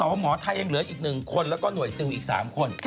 หมอไทยยังเหลืออีก๑คนแล้วก็หน่วยซิลอีก๓คน